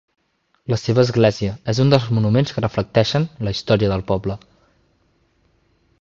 La seva església és un dels monuments que reflecteixen la història del poble.